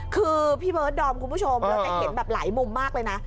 คือพี่เบิร์ดดอมคุณผู้ชมเราจะเห็นแบบหลายมุมมากเลยนะ